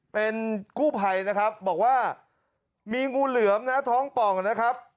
เป็นกู้ภัยนะครับบอกว่ามีงูเหลือมนะท้องป่องนะครับ